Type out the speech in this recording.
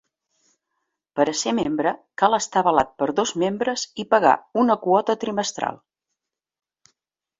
Per a ser membre cal estar avalat per dos membres i pagar una quota trimestral.